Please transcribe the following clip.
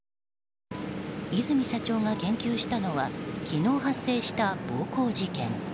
和泉社長が言及したのは昨日発生した暴行事件。